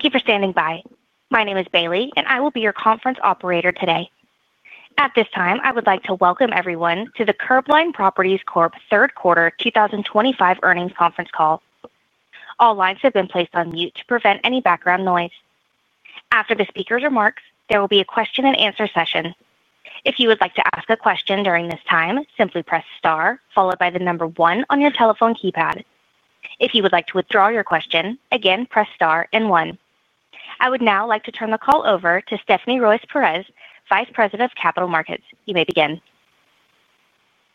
Thank you for standing by. My name is Bailey, and I will be your conference operator today. At this time, I would like to welcome everyone to the Curbline Properties Corp. Third Quarter 2025 earnings conference call. All lines have been placed on mute to prevent any background noise. After the speaker's remarks, there will be a question and answer session. If you would like to ask a question during this time, simply press star, followed by the number one on your telephone keypad. If you would like to withdraw your question, again press star and one. I would now like to turn the call over to Stephanie Ruys de Perez, Vice President of Capital Markets. You may begin.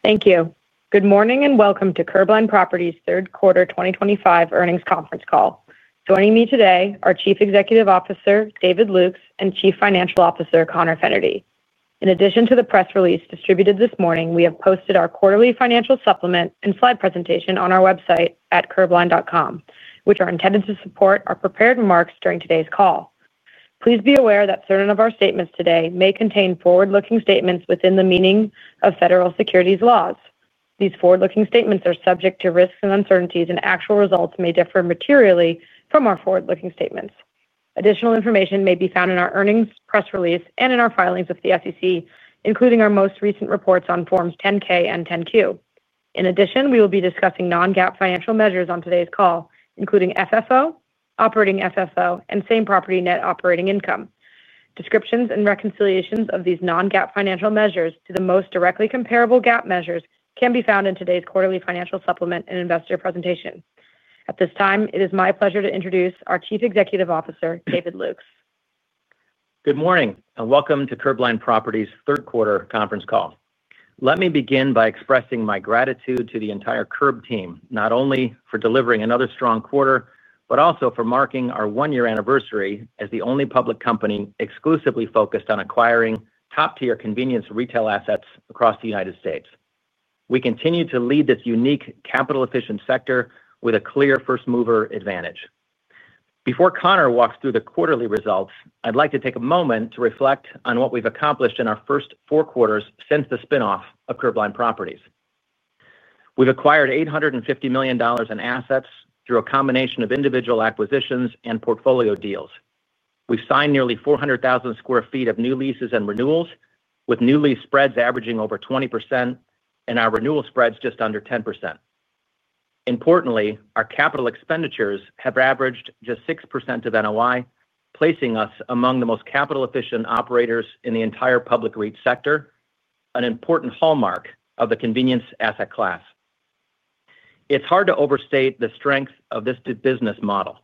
Thank you. Good morning and welcome to Curbline Properties Third Quarter 2025 earnings conference call. Joining me today are Chief Executive Officer David Lukes and Chief Financial Officer Conor Fennerty. In addition to the press release distributed this morning, we have posted our quarterly financial supplement and slide presentation on our website at curbline.com, which are intended to support our prepared remarks during today's call. Please be aware that certain of our statements today may contain forward-looking statements within the meaning of federal securities laws. These forward-looking statements are subject to risks and uncertainties, and actual results may differ materially from our forward-looking statements. Additional information may be found in our earnings press release and in our filings with the SEC, including our most recent reports on Forms 10-K and 10-Q. In addition, we will be discussing non-GAAP financial measures on today's call, including FFO, operating FFO, and same property NOI. Descriptions and reconciliations of these non-GAAP financial measures to the most directly comparable GAAP measures can be found in today's quarterly financial supplement and investor presentation. At this time, it is my pleasure to introduce our Chief Executive Officer, David Lukes. Good morning and welcome to Curbline Properties Third Quarter conference call. Let me begin by expressing my gratitude to the entire Curb team, not only for delivering another strong quarter, but also for marking our one-year anniversary as the only public company exclusively focused on acquiring top-tier convenience retail assets across the United States. We continue to lead this unique capital-efficient sector with a clear first-mover advantage. Before Conor walks through the quarterly results, I'd like to take a moment to reflect on what we've accomplished in our first four quarters since the spin-off of Curbline Properties. We've acquired $850 million in assets through a combination of individual acquisitions and portfolio deals. We've signed nearly 400,000 sq ft of new leases and renewals, with new lease spreads averaging over 20% and our renewal spreads just under 10%. Importantly, our capital expenditures have averaged just 6% of NOI, placing us among the most capital-efficient operators in the entire public REIT sector, an important hallmark of the convenience asset class. It's hard to overstate the strength of this business model,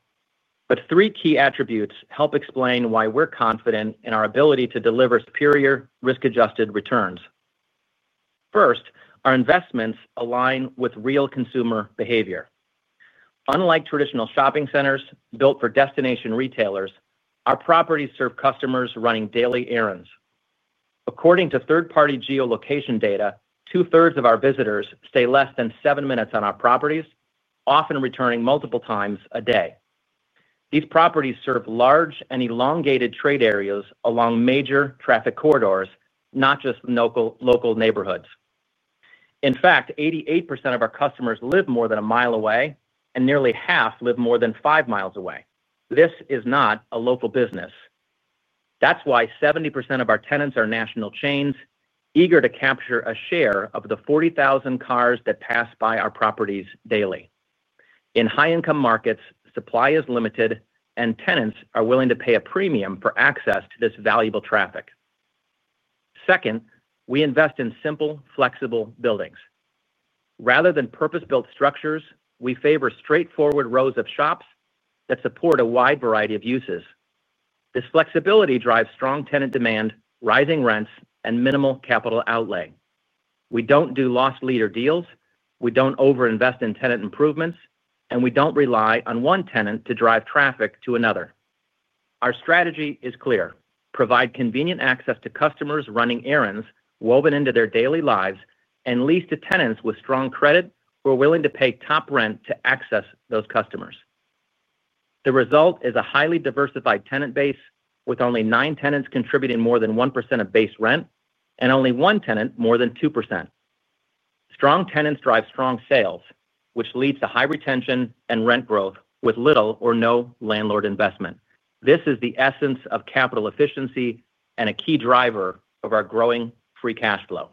but three key attributes help explain why we're confident in our ability to deliver superior risk-adjusted returns. First, our investments align with real consumer behavior. Unlike traditional shopping centers built for destination retailers, our properties serve customers running daily errands. According to third-party geolocation data, 2/3 of our visitors stay less than seven minutes on our properties, often returning multiple times a day. These properties serve large and elongated trade areas along major traffic corridors, not just local neighborhoods. In fact, 88% of our customers live more than a mile away, and nearly half live more than five miles away. This is not a local business. That's why 70% of our tenants are national chains, eager to capture a share of the 40,000 cars that pass by our properties daily. In high-income markets, supply is limited, and tenants are willing to pay a premium for access to this valuable traffic. Second, we invest in simple, flexible buildings. Rather than purpose-built structures, we favor straightforward rows of shops that support a wide variety of uses. This flexibility drives strong tenant demand, rising rents, and minimal capital outlay. We don't do lost leader deals, we don't overinvest in tenant improvements, and we don't rely on one tenant to drive traffic to another. Our strategy is clear: provide convenient access to customers running errands woven into their daily lives, and lease to tenants with strong credit who are willing to pay top rent to access those customers. The result is a highly diversified tenant base, with only nine tenants contributing more than 1% of base rent and only one tenant more than 2%. Strong tenants drive strong sales, which leads to high retention and rent growth with little or no landlord investment. This is the essence of capital efficiency and a key driver of our growing free cash flow.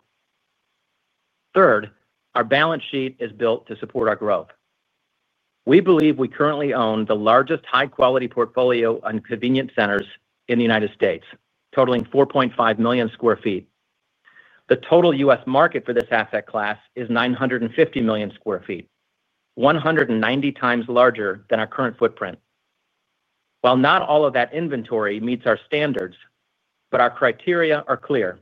Third, our balance sheet is built to support our growth. We believe we currently own the largest high-quality portfolio of convenience shopping centers in the United States, totaling 4.5 million sq ft. The total U.S. market for this asset class is 950 million sq ft, 190x larger than our current footprint. While not all of that inventory meets our standards, our criteria are clear: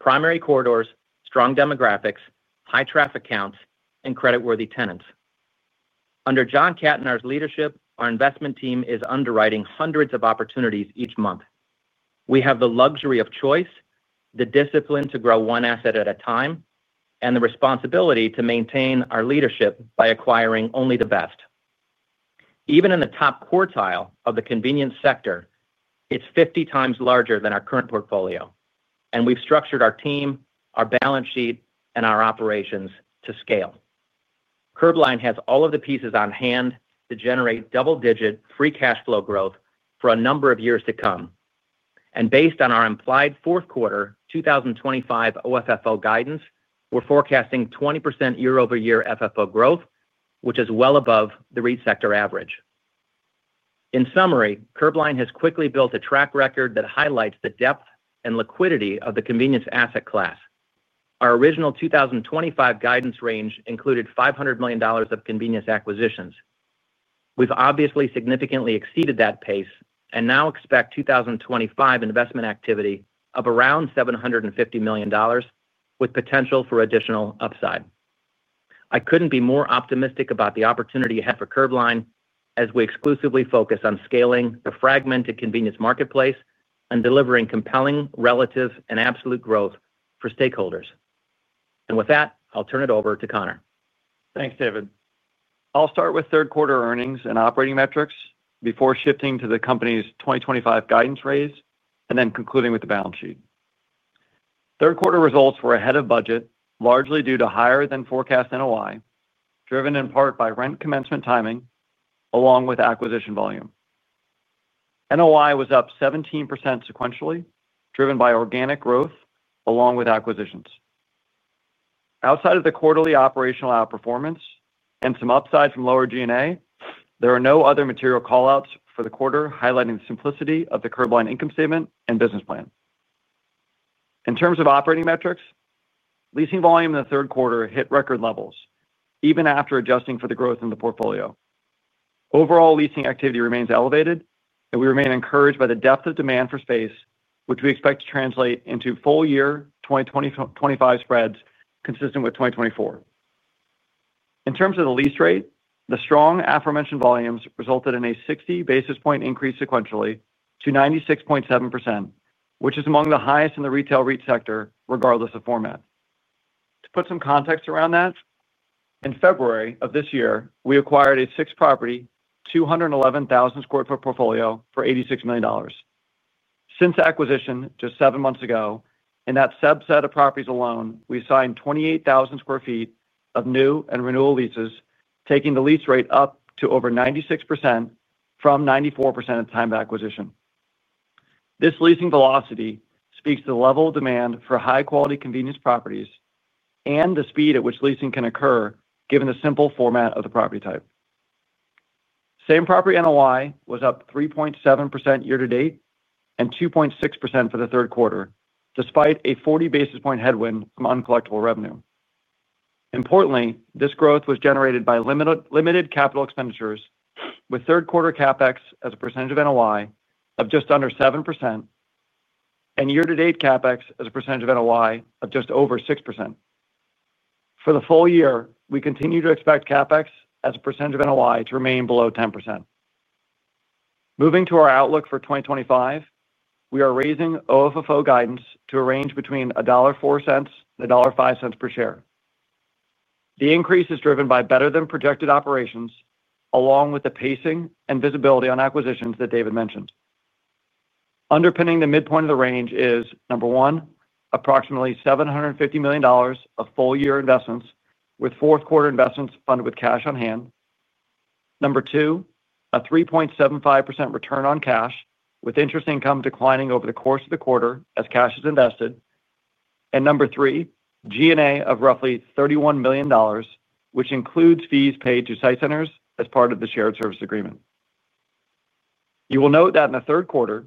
primary corridors, strong demographics, high traffic counts, and creditworthy tenants. Under John Cattonar's leadership, our investment team is underwriting hundreds of opportunities each month. We have the luxury of choice, the discipline to grow one asset at a time, and the responsibility to maintain our leadership by acquiring only the best. Even in the top quartile of the convenience sector, it's 50x larger than our current portfolio, and we've structured our team, our balance sheet, and our operations to scale. Curbline has all of the pieces on hand to generate double-digit free cash flow growth for a number of years to come. Based on our implied Fourth Quarter 2025 OFFO guidance, we're forecasting 20% year-over-year FFO growth, which is well above the public REIT sector average. In summary, Curbline has quickly built a track record that highlights the depth and liquidity of the convenience asset class. Our original 2025 guidance range included $500 million of convenience acquisitions. We've obviously significantly exceeded that pace and now expect 2025 investment activity of around $750 million, with potential for additional upside. I couldn't be more optimistic about the opportunity ahead for Curbline as we exclusively focus on scaling the fragmented convenience marketplace and delivering compelling, relative, and absolute growth for stakeholders. With that, I'll turn it over to Conor. Thanks, David. I'll start with third quarter earnings and operating metrics before shifting to the company's 2025 guidance phase and then concluding with the balance sheet. Third quarter results were ahead of budget, largely due to higher than forecast NOI, driven in part by rent commencement timing, along with acquisition volume. NOI was up 17% sequentially, driven by organic growth along with acquisitions. Outside of the quarterly operational outperformance and some upside from lower G&A, there are no other material callouts for the quarter, highlighting the simplicity of the Curbline income statement and business plan. In terms of operating metrics, leasing volume in the third quarter hit record levels, even after adjusting for the growth in the portfolio. Overall, leasing activity remains elevated, and we remain encouraged by the depth of demand for space, which we expect to translate into full-year 2025 spreads consistent with 2024. In terms of the lease rate, the strong aforementioned volumes resulted in a 60 basis point increase sequentially to 96.7%, which is among the highest in the retail REIT sector regardless of format. To put some context around that, in February of this year, we acquired a six-property, 211,000 sq ft portfolio for $86 million. Since acquisition just seven months ago, in that subset of properties alone, we signed 28,000 sq ft of new and renewal leases, taking the lease rate up to over 96% from 94% at the time of acquisition. This leasing velocity speaks to the level of demand for high-quality convenience shopping centers and the speed at which leasing can occur, given the simple format of the property type. Same property NOI was up 3.7% year to date and 2.6% for the third quarter, despite a 40 basis point headwind from uncollectible revenue. Importantly, this growth was generated by limited capital expenditures, with third quarter CapEx as a percentage of NOI of just under 7% and year-to-date CapEx as a percentage of NOI of just over 6%. For the full year, we continue to expect CapEx as a percentage of NOI to remain below 10%. Moving to our outlook for 2025, we are raising OFFO guidance to a range between $1.04 and $1.05/share. The increase is driven by better than projected operations, along with the pacing and visibility on acquisitions that David mentioned. Underpinning the midpoint of the range is, number one, approximately $750 million of full-year investments, with fourth quarter investments funded with cash on hand. Number two, a 3.75% return on cash, with interest income declining over the course of the quarter as cash is invested. Number three, G&A of roughly $31 million, which includes fees paid to Site Centers as part of the shared service agreement. You will note that in the third quarter,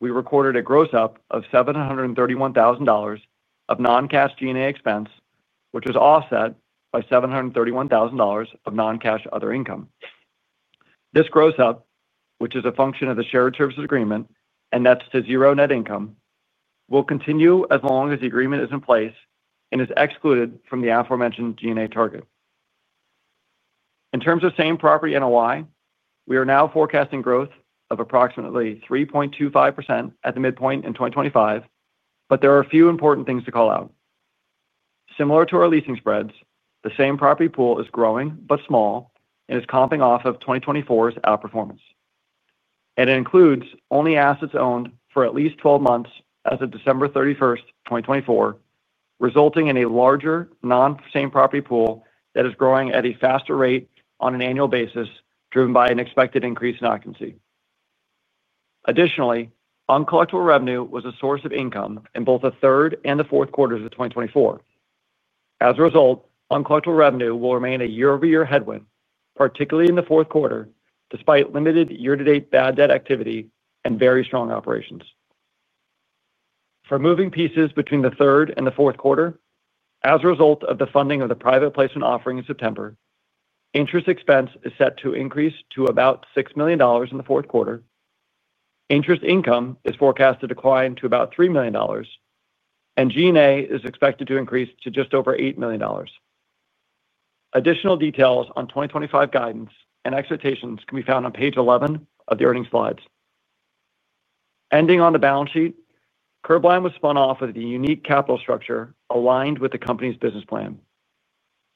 we recorded a gross up of $731,000 of non-cash G&A expense, which was offset by $731,000 of non-cash other income. This gross up, which is a function of the shared services agreement and nets to zero net income, will continue as long as the agreement is in place and is excluded from the aforementioned G&A target. In terms of same property NOI, we are now forecasting growth of approximately 3.25% at the midpoint in 2025, but there are a few important things to call out. Similar to our leasing spreads, the same property pool is growing but small and is comping off of 2024's outperformance. It includes only assets owned for at least 12 months as of December 31, 2024, resulting in a larger non-same property pool that is growing at a faster rate on an annual basis, driven by an expected increase in occupancy. Additionally, uncollectible revenue was a source of income in both the third and the fourth quarters of 2024. As a result, uncollectible revenue will remain a year-over-year headwind, particularly in the fourth quarter, despite limited year-to-date bad debt activity and very strong operations. For moving pieces between the third and the fourth quarter, as a result of the funding of the private placement offering in September, interest expense is set to increase to about $6 million in the fourth quarter. Interest income is forecast to decline to about $3 million, and G&A is expected to increase to just over $8 million. Additional details on 2025 guidance and expectations can be found on page 11 of the earnings slides. Ending on the balance sheet, Curbline was spun off with a unique capital structure aligned with the company's business plan.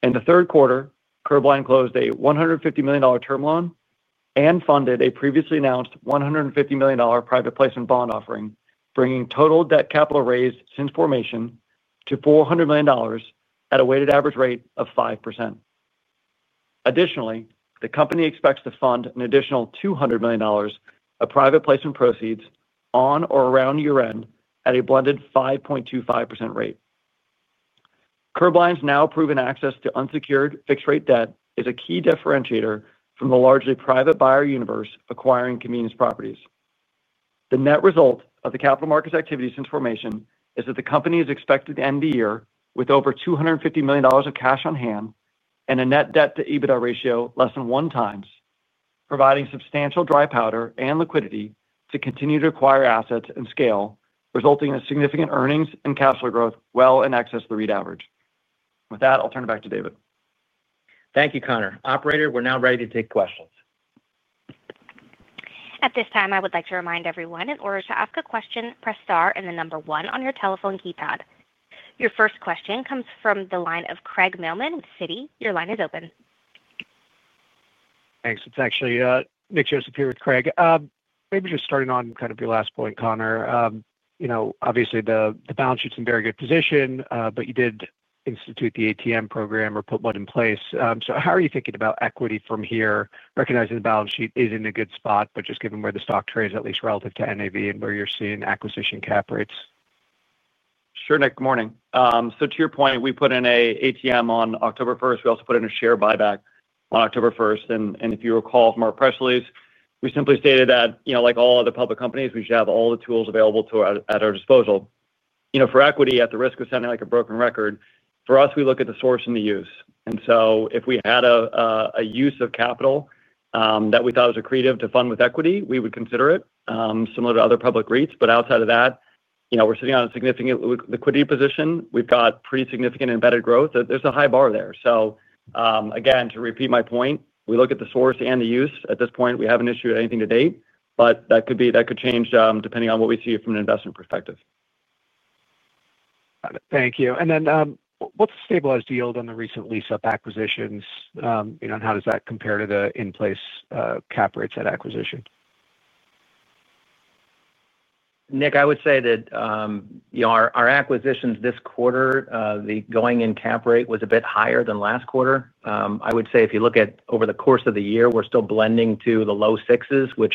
In the third quarter, Curbline closed a $150 million term loan and funded a previously announced $150 million private placement bond offering, bringing total debt capital raised since formation to $400 million at a weighted average rate of 5%. Additionally, the company expects to fund an additional $200 million of private placement proceeds on or around year-end at a blended 5.25% rate. Curbline's now proven access to unsecured fixed-rate debt is a key differentiator from the largely private buyer universe acquiring convenience shopping centers. The net result of the capital markets activity since formation is that the company is expected to end the year with over $250 million of cash on hand and a net debt to EBITDA ratio less than 1x, providing substantial dry powder and liquidity to continue to acquire assets and scale, resulting in significant earnings and cash flow growth well in excess of the REIT average. With that, I'll turn it back to David. Thank you, Conor. Operator, we're now ready to take questions. At this time, I would like to remind everyone in order to ask a question, press star and the number one on your telephone keypad. Your first question comes from the line of Craig Mailman with Citi. Your line is open. Thanks. It's actually Nick Joseph here with Craig. Maybe just starting on kind of your last point, Conor. Obviously the balance sheet's in very good position, but you did institute the ATM program or put one in place. How are you thinking about equity from here, recognizing the balance sheet is in a good spot, just given where the stock trades at least relative to NAV and where you're seeing acquisition cap rates? Sure, Nick. Good morning. To your point, we put in an ATM on October 1. We also put in a share buyback on October 1. If you recall from our press release, we simply stated that, you know, like all other public companies, we should have all the tools available at our disposal. For equity, at the risk of sounding like a broken record, for us, we look at the source and the use. If we had a use of capital that we thought was accretive to fund with equity, we would consider it, similar to other public REITs. Outside of that, we're sitting on a significant liquidity position. We've got pretty significant embedded growth. There's a high bar there. To repeat my point, we look at the source and the use. At this point, we haven't issued anything to date, but that could change depending on what we see from an investment perspective. Thank you. What's the stabilized yield on the recent lease-up acquisitions, and how does that compare to the in-place cap rates at acquisition? Nick, I would say that our acquisitions this quarter, the going-in cap rate was a bit higher than last quarter. I would say if you look at over the course of the year, we're still blending to the low 6%s, which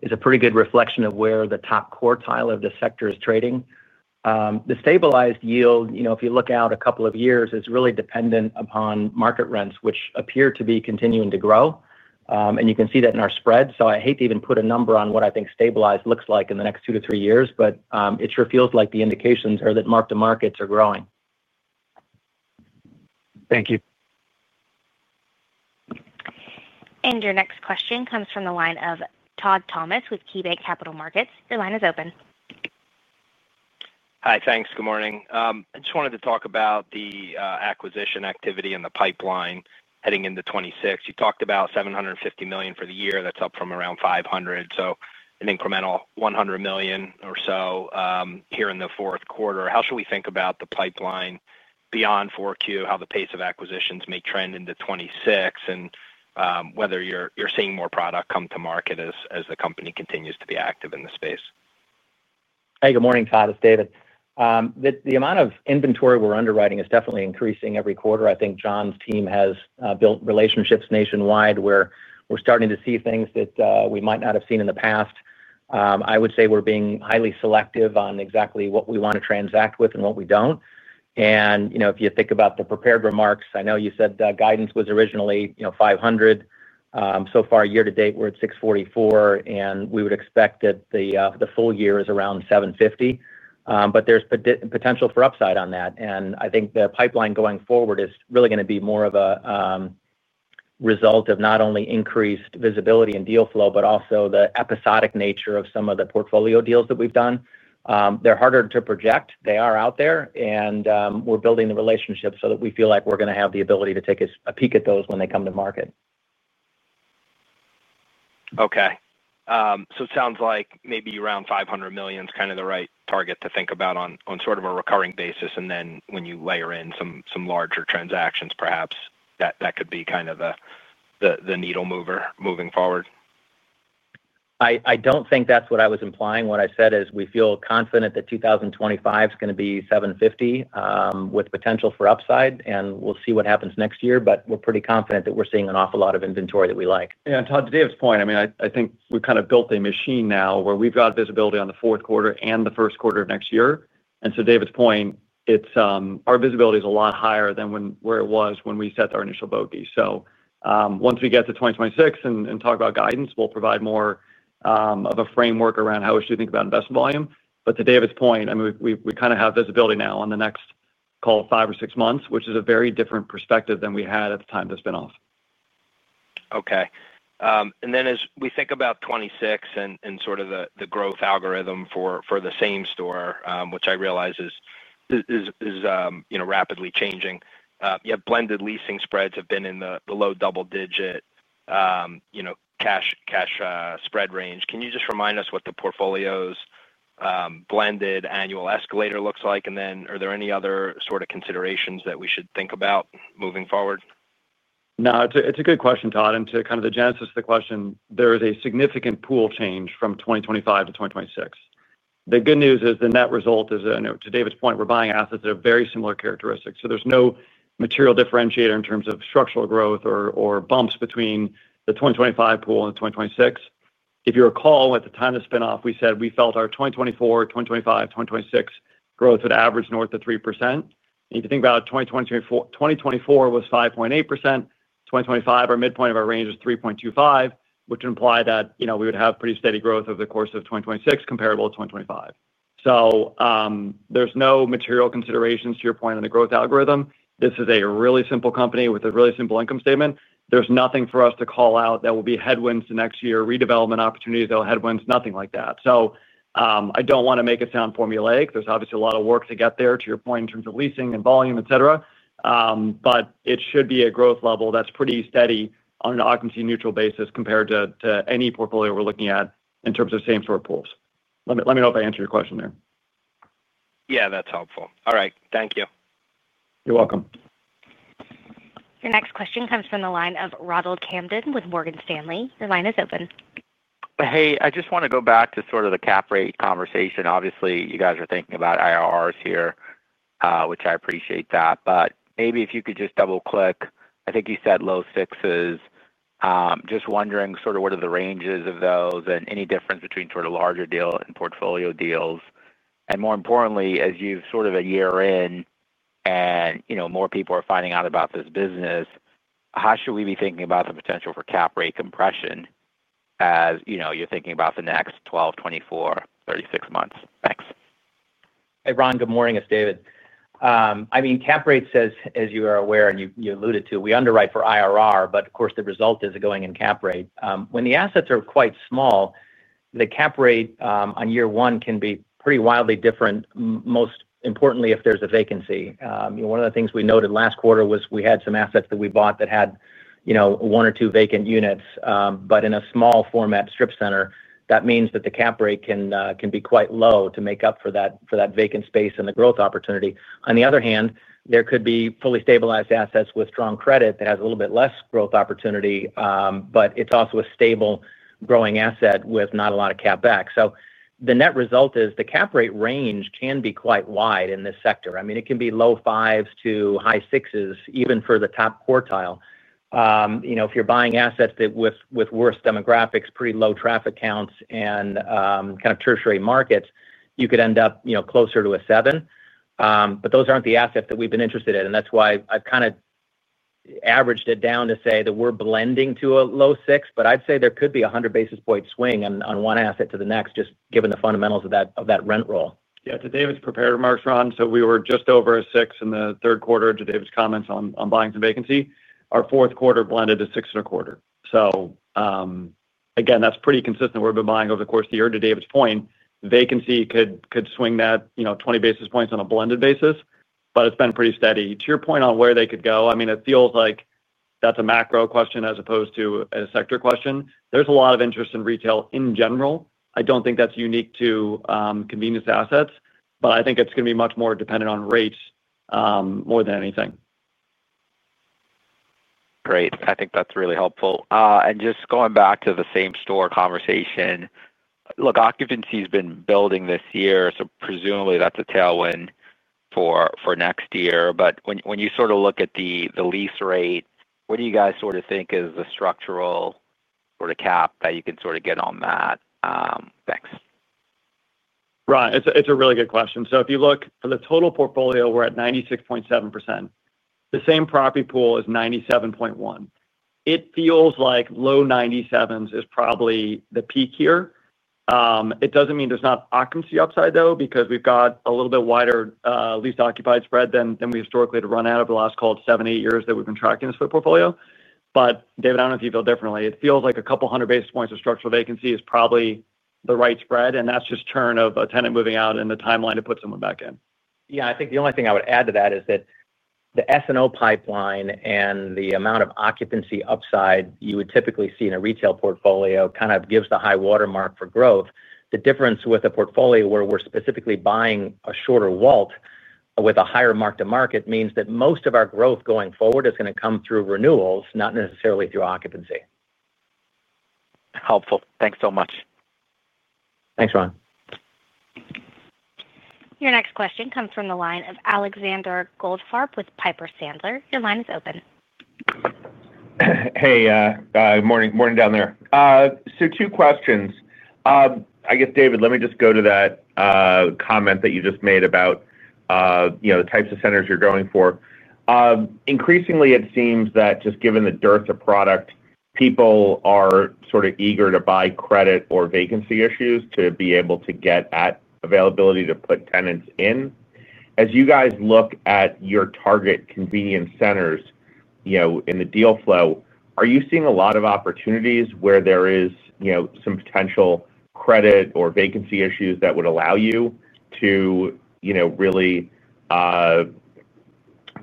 is a pretty good reflection of where the top quartile of the sector is trading. The stabilized yield, if you look out a couple of years, is really dependent upon market rents, which appear to be continuing to grow. You can see that in our spread. I hate to even put a number on what I think stabilized looks like in the next two to three years, but it sure feels like the indications are that markets are growing. Thank you. Your next question comes from the line of Todd Thomas with KeyBanc Capital Markets. Your line is open. Hi, thanks. Good morning. I just wanted to talk about the acquisition activity and the pipeline heading into 2026. You talked about $750 million for the year. That's up from around $500 million, so an incremental $100 million or so here in the fourth quarter. How should we think about the pipeline beyond 4Q, how the pace of acquisitions may trend into 2026, and whether you're seeing more product come to market as the company continues to be active in the space? Hey, good morning, Todd. It's David. The amount of inventory we're underwriting is definitely increasing every quarter. I think John's team has built relationships nationwide where we're starting to see things that we might not have seen in the past. I would say we're being highly selective on exactly what we want to transact with and what we don't. If you think about the prepared remarks, I know you said guidance was originally, you know, $500 million. So far, year to date, we're at $644 million, and we would expect that the full year is around $750 million. There's potential for upside on that. I think the pipeline going forward is really going to be more of a result of not only increased visibility and deal flow, but also the episodic nature of some of the portfolio deals that we've done. They're harder to project. They are out there, and we're building the relationships so that we feel like we're going to have the ability to take a peek at those when they come to market. Okay. It sounds like maybe around $500 million is kind of the right target to think about on sort of a recurring basis. When you layer in some larger transactions, perhaps, that could be kind of the needle mover moving forward? I don't think that's what I was implying. What I said is we feel confident that 2025 is going to be $750 million with potential for upside, and we'll see what happens next year. We're pretty confident that we're seeing an awful lot of inventory that we like. Yeah, and Todd, to David's point, I mean, I think we've kind of built a machine now where we've got visibility on the fourth quarter and the first quarter of next year. To David's point, our visibility is a lot higher than where it was when we set our initial bogey. Once we get to 2026 and talk about guidance, we'll provide more of a framework around how we should think about investment volume. To David's point, I mean, we kind of have visibility now on the next, call it, five or six months, which is a very different perspective than we had at the time of the spin-off. Okay. As we think about 2026 and sort of the growth algorithm for the same store, which I realize is rapidly changing, you have blended leasing spreads that have been in the low double-digit cash spread range. Can you just remind us what the portfolio's blended annual escalator looks like? Are there any other sort of considerations that we should think about moving forward? No, it's a good question, Todd. To kind of the genesis of the question, there is a significant pool change from 2025-2026. The good news is the net result is, you know, to David's point, we're buying assets that have very similar characteristics. There's no material differentiator in terms of structural growth or bumps between the 2025 pool and the 2026. If you recall, at the time of the spin-off, we said we felt our 2024, 2025, 2026 growth would average north of 3%. If you think about it, 2024 was 5.8%. 2025, our midpoint of our range was 3.25%, which would imply that, you know, we would have pretty steady growth over the course of 2026 comparable to 2025. There's no material considerations to your point on the growth algorithm. This is a really simple company with a really simple income statement. There's nothing for us to call out that will be headwinds to next year, redevelopment opportunities that will be headwinds, nothing like that. I don't want to make it sound formulaic. There's obviously a lot of work to get there, to your point, in terms of leasing and volume, et cetera. It should be a growth level that's pretty steady on an occupancy-neutral basis compared to any portfolio we're looking at in terms of same-store pools. Let me know if I answered your question there. Yeah, that's helpful. All right, thank you. You're welcome. Your next question comes from the line of Ronald Kamdem with Morgan Stanley. Your line is open. Hey, I just want to go back to sort of the cap rate conversation. Obviously, you guys are thinking about IRRs here, which I appreciate. Maybe if you could just double-click, I think you said low sixes. Just wondering what are the ranges of those and any difference between larger deal and portfolio deals. More importantly, as you've sort of a year in and more people are finding out about this business, how should we be thinking about the potential for cap rate compression as you're thinking about the next 12, 24, 36 months? Thanks. Hey, Ron, good morning. It's David. I mean, cap rates as you are aware and you alluded to, we underwrite for IRR, but of course, the result is a going-in cap rate. When the assets are quite small, the cap rate on year one can be pretty wildly different, most importantly if there's a vacancy. One of the things we noted last quarter was we had some assets that we bought that had one or two vacant units, but in a small format strip center, that means that the cap rate can be quite low to make up for that vacant space and the growth opportunity. On the other hand, there could be fully stabilized assets with strong credit that has a little bit less growth opportunity, but it's also a stable growing asset with not a lot of cap back. The net result is the cap rate range can be quite wide in this sector. I mean, it can be low fives to high sixes, even for the top quartile. If you're buying assets with worse demographics, pretty low traffic counts, and kind of tertiary markets, you could end up closer to a seven. Those aren't the assets that we've been interested in. That's why I've kind of averaged it down to say that we're blending to a low six, but I'd say there could be a 100 basis point swing on one asset to the next, just given the fundamentals of that rent roll. Yeah, to David's prepared remarks, Ron, we were just over a 6 in the third quarter, to David's comments on buying some vacancy. Our fourth quarter blended to 6.25. That's pretty consistent with where we've been buying over the course of the year. To David's point, vacancy could swing that 20 basis points on a blended basis, but it's been pretty steady. To your point on where they could go, it feels like that's a macro question as opposed to a sector question. There's a lot of interest in retail in general. I don't think that's unique to convenience assets, but I think it's going to be much more dependent on rates more than anything. Great. I think that's really helpful. Just going back to the same store conversation, look, occupancy has been building this year, so presumably that's a tailwind for next year. When you sort of look at the lease rate, what do you guys sort of think is the structural sort of cap that you can sort of get on that? Thanks. Ron, it's a really good question. If you look at the total portfolio, we're at 96.7%. The same property pool is 97.1%. It feels like low 97%s is probably the peak here. It doesn't mean there's not occupancy upside though, because we've got a little bit wider least occupied spread than we historically had to run out of the last, called, seven, eight years that we've been tracking this for the portfolio. David, I don't know if you feel differently. It feels like a couple hundred basis points of structural vacancy is probably the right spread, and that's just churn of a tenant moving out and the timeline to put someone back in. Yeah, I think the only thing I would add to that is that the S&O pipeline and the amount of occupancy upside you would typically see in a retail portfolio kind of gives the high watermark for growth. The difference with a portfolio where we're specifically buying a shorter WALT with a higher mark to market means that most of our growth going forward is going to come through renewals, not necessarily through occupancy. Helpful. Thanks so much. Thanks, Ron. Your next question comes from the line of Alexander Goldfarb with Piper Sandler. Your line is open. Good morning down there. Two questions. David, let me just go to that comment that you just made about the types of centers you're going for. Increasingly, it seems that just given the dearth of product, people are sort of eager to buy credit or vacancy issues to be able to get at availability to put tenants in. As you guys look at your target convenience shopping centers in the deal flow, are you seeing a lot of opportunities where there is some potential credit or vacancy issues that would allow you to really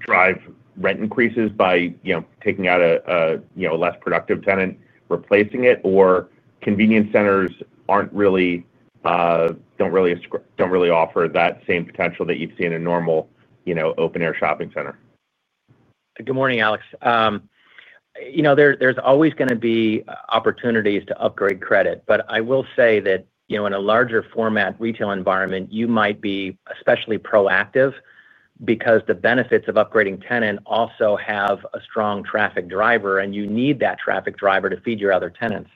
drive rent increases by taking out a less productive tenant, replacing it, or convenience shopping centers don't really offer that same potential that you've seen in a normal open-air shopping center? Good morning, Alex. You know, there's always going to be opportunities to upgrade credit, but I will say that in a larger format retail environment, you might be especially proactive because the benefits of upgrading tenant also have a strong traffic driver, and you need that traffic driver to feed your other tenants.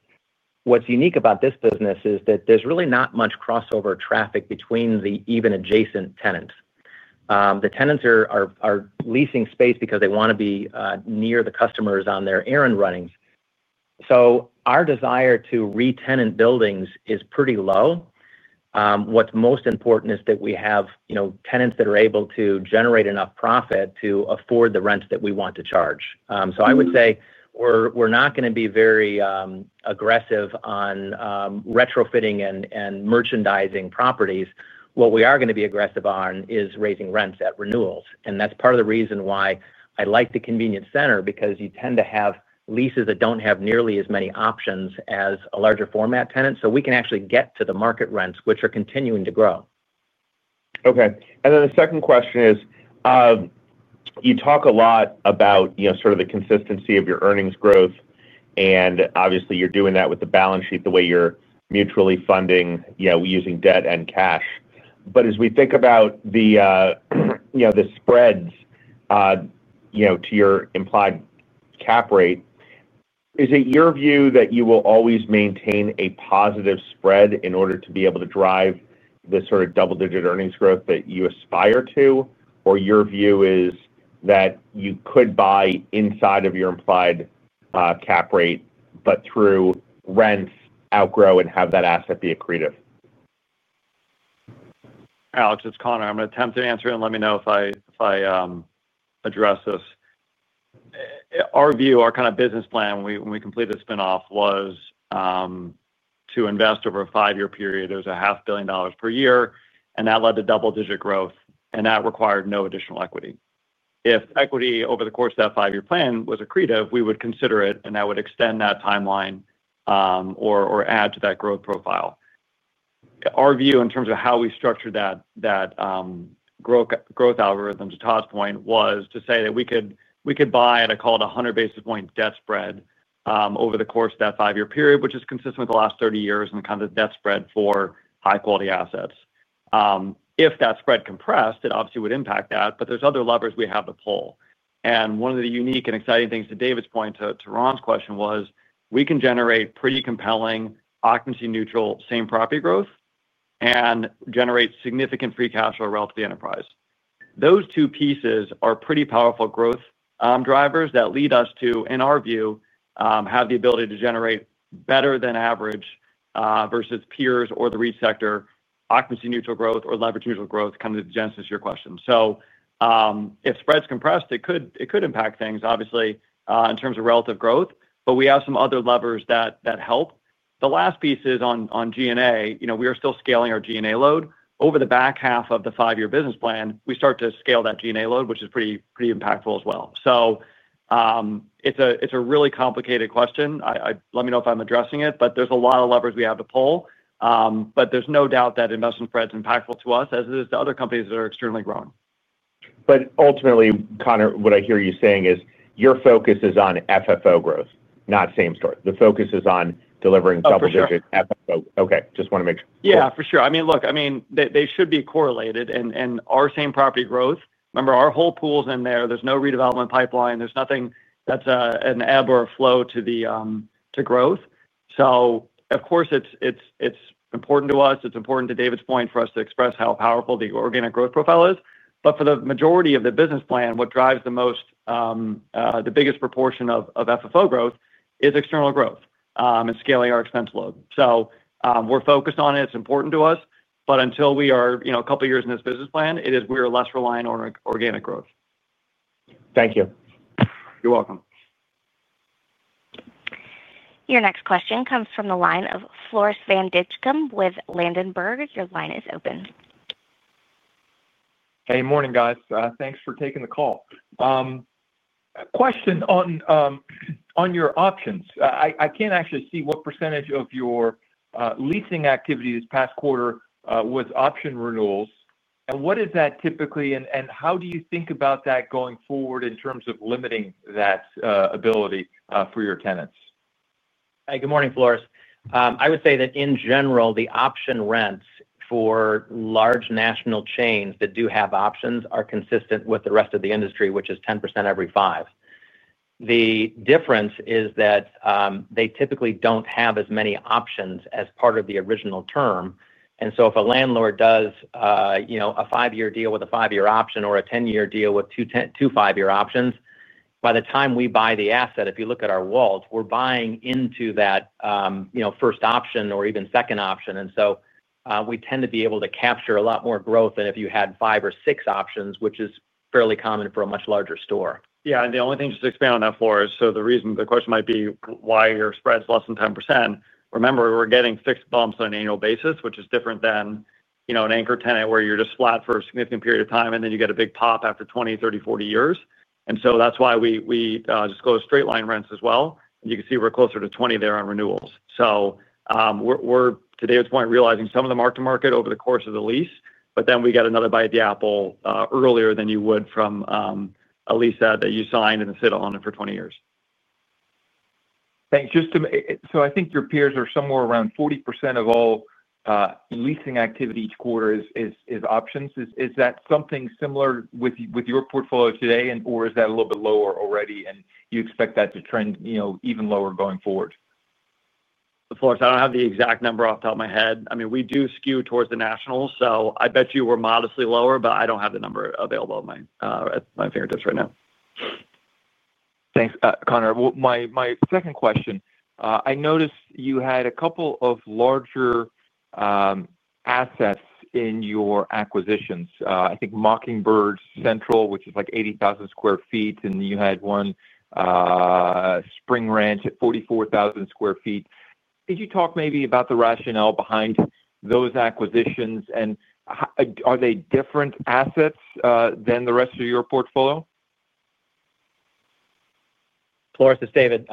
What's unique about this business is that there's really not much crossover traffic between even adjacent tenants. The tenants are leasing space because they want to be near the customers on their errand runnings. Our desire to re-tenant buildings is pretty low. What's most important is that we have tenants that are able to generate enough profit to afford the rents that we want to charge. I would say we're not going to be very aggressive on retrofitting and merchandising properties. What we are going to be aggressive on is raising rents at renewals. That's part of the reason why I like the convenience center, because you tend to have leases that don't have nearly as many options as a larger format tenant. We can actually get to the market rents, which are continuing to grow. Okay. The second question is, you talk a lot about the consistency of your earnings growth, and obviously you're doing that with the balance sheet the way you're mutually funding, using debt and cash. As we think about the spreads to your implied cap rate, is it your view that you will always maintain a positive spread in order to be able to drive the sort of double-digit earnings growth that you aspire to, or your view is that you could buy inside of your implied cap rate, but through rent outgrow and have that asset be accretive? Alex, it's Conor. I'm going to attempt to answer and let me know if I address this. Our view, our kind of business plan when we completed the spin-off was to invest over a five-year period. There's $0.5 billion/year, and that led to double-digit growth, and that required no additional equity. If equity over the course of that five-year plan was accretive, we would consider it, and that would extend that timeline or add to that growth profile. Our view in terms of how we structured that growth algorithm to Todd's point was to say that we could buy at a, call it, 100 basis point debt spread over the course of that five-year period, which is consistent with the last 30 years and the kind of debt spread for high-quality assets. If that spread compressed, it obviously would impact that, but there are other levers we have to pull. One of the unique and exciting things to David's point to Ron's question was we can generate pretty compelling occupancy-neutral same property growth and generate significant free cash flow relative to the enterprise. Those two pieces are pretty powerful growth drivers that lead us to, in our view, have the ability to generate better than average vs peers or the public REIT sector occupancy-neutral growth or leverage-neutral growth, kind of the genesis of your question. If spreads compressed, it could impact things, obviously, in terms of relative growth, but we have some other levers that help. The last piece is on G&A. We are still scaling our G&A load. Over the back half of the five-year business plan, we start to scale that G&A load, which is pretty impactful as well. It's a really complicated question. Let me know if I'm addressing it, but there are a lot of levers we have to pull. There's no doubt that investment spread's impactful to us as it is to other companies that are externally growing. Ultimately, Conor, what I hear you saying is your focus is on FFO growth, not same property. The focus is on delivering double-digit FFO. Correct. Okay, just want to make sure. Yeah, for sure. I mean, look, they should be correlated. Our same property growth, remember, our whole pool's in there. There's no redevelopment pipeline. There's nothing that's an ebb or a flow to growth. Of course, it's important to us. It's important to David's point for us to express how powerful the organic growth profile is. For the majority of the business plan, what drives the most, the biggest proportion of FFO growth is external growth and scaling our expense load. We're focused on it. It's important to us. Until we are a couple of years in this business plan, we are less reliant on organic growth. Thank you. You're welcome. Your next question comes from the line of Floris Van Dijkum with Ladenburg. Your line is open. Hey, morning guys. Thanks for taking the call. Question on your options. I can't actually see what percentage of your leasing activity this past quarter was option renewals. What is that typically, and how do you think about that going forward in terms of limiting that ability for your tenants? Hey, good morning, Floris. I would say that in general, the option rents for large national chains that do have options are consistent with the rest of the industry, which is 10% every five. The difference is that they typically don't have as many options as part of the original term. If a landlord does a five-year deal with a five-year option or a 10-year deal with two five-year options, by the time we buy the asset, if you look at our WALT, we're buying into that first option or even second option. We tend to be able to capture a lot more growth than if you had five or six options, which is fairly common for a much larger store. Yeah, and the only thing just to expand on that, Floris, the reason the question might be why your spread's less than 10%, remember, we're getting fixed bumps on an annual basis, which is different than, you know, an anchor tenant where you're just flat for a significant period of time, and then you get a big pop after 20, 30, 40 years. That's why we just go straight line rents as well. You can see we're closer to 20% there on renewals. We're, to David's point, realizing some of the mark to market over the course of the lease, but then we get another bite of the apple earlier than you would from a lease that you signed and sit on for 20 years. Thanks. Just to, I think your peers are somewhere around 40% of all leasing activity each quarter is options. Is that something similar with your portfolio today, or is that a little bit lower already, and you expect that to trend even lower going forward? Floris, I don't have the exact number off the top of my head. We do skew towards the nationals, so I bet you we're modestly lower, but I don't have the number available at my fingertips right now. Thanks, Conor. My second question, I noticed you had a couple of larger assets in your acquisitions. I think Mockingbird Central, which is like 80,000 sq ft, and you had one Spring Ranch at 44,000 sq ft. Could you talk maybe about the rationale behind those acquisitions and are they different assets than the rest of your portfolio? Floris, it's David.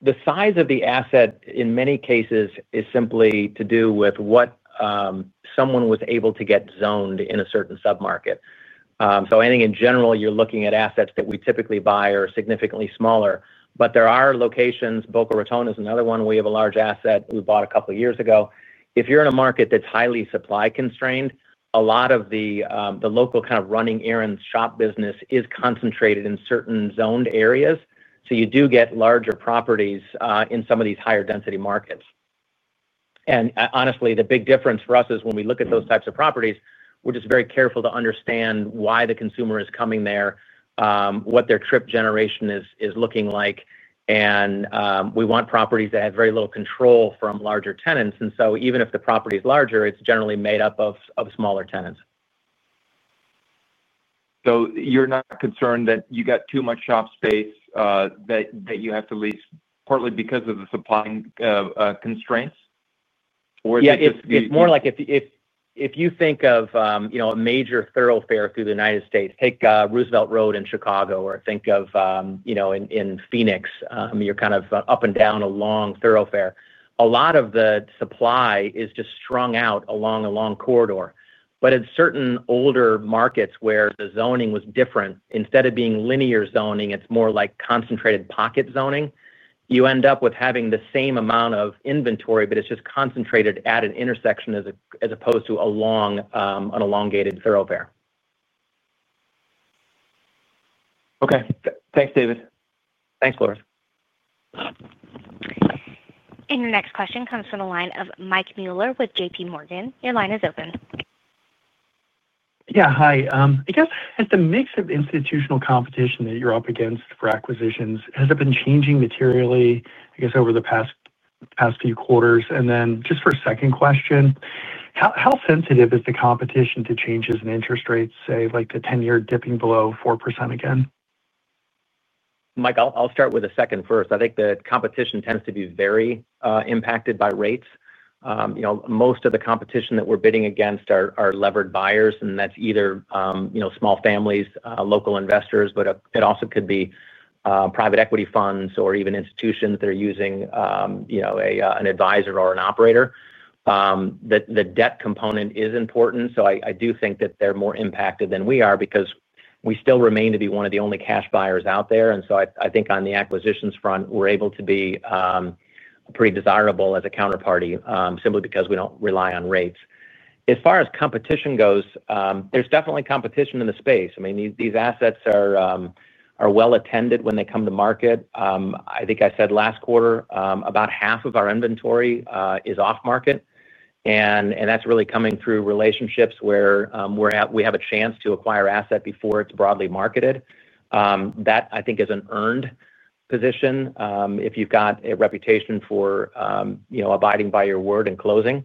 The size of the asset in many cases is simply to do with what someone was able to get zoned in a certain submarket. I think in general, you're looking at assets that we typically buy that are significantly smaller. There are locations, Boca Raton is another one where we have a large asset we bought a couple of years ago. If you're in a market that's highly supply constrained, a lot of the local kind of running errands shop business is concentrated in certain zoned areas. You do get larger properties in some of these higher density markets. Honestly, the big difference for us is when we look at those types of properties, we're just very careful to understand why the consumer is coming there, what their trip generation is looking like. We want properties that have very little control from larger tenants. Even if the property is larger, it's generally made up of smaller tenants. You're not concerned that you got too much shop space that you have to lease partly because of the supply constraints? Yeah, it's more like if you think of, you know, a major thoroughfare through the United States, take Roosevelt Road in Chicago or think of, you know, in Phoenix, you're kind of up and down a long thoroughfare. A lot of the supply is just strung out along a long corridor. In certain older markets where the zoning was different, instead of being linear zoning, it's more like concentrated pocket zoning. You end up with having the same amount of inventory, but it's just concentrated at an intersection as opposed to a long, an elongated thoroughfare. Okay, thanks, David. Thanks, Floris. Your next question comes from the line of Mike Mueller with JPMorgan. Your line is open. Yeah, hi. I guess it's a mix of institutional competition that you're up against for acquisitions. Has it been changing materially over the past few quarters? For a second question, how sensitive is the competition to changes in interest rates, say, like the 10-year dipping below 4% again? I'll start with a second first. I think the competition tends to be very impacted by rates. Most of the competition that we're bidding against are levered buyers, and that's either small families, local investors, but it also could be private equity funds or even institutions that are using an advisor or an operator. The debt component is important. I do think that they're more impacted than we are because we still remain to be one of the only cash buyers out there. I think on the acquisitions front, we're able to be pretty desirable as a counterparty simply because we don't rely on rates. As far as competition goes, there's definitely competition in the space. These assets are well attended when they come to market. I think I said last quarter, about half of our inventory is off market. That's really coming through relationships where we have a chance to acquire assets before it's broadly marketed. That is an earned position if you've got a reputation for abiding by your word in closing.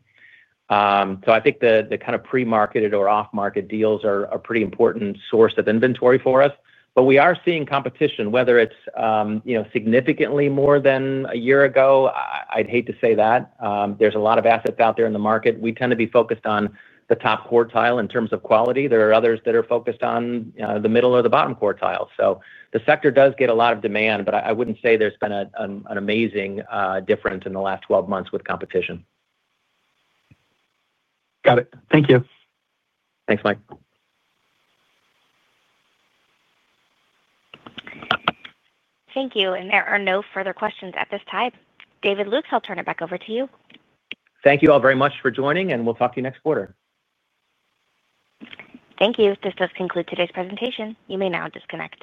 I think the kind of pre-marketed or off-market deals are a pretty important source of inventory for us. We are seeing competition, whether it's significantly more than a year ago. I'd hate to say that. There's a lot of assets out there in the market. We tend to be focused on the top quartile in terms of quality. There are others that are focused on the middle or the bottom quartile. The sector does get a lot of demand, but I wouldn't say there's been an amazing difference in the last 12 months with competition. Got it. Thank you. Thanks, Mike. Thank you. There are no further questions at this time. David Lukes, I'll turn it back over to you. Thank you all very much for joining, and we'll talk to you next quarter. Thank you. This does conclude today's presentation. You may now disconnect.